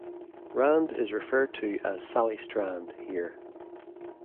Rand is referred to as "Sally Strand" here.